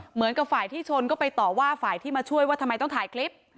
เหมือนกับฝ่ายที่ชนก็ไปต่อว่าฝ่ายที่มาช่วยว่าทำไมต้องถ่ายคลิป